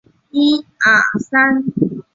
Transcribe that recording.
之后不久一文亦停止铸造。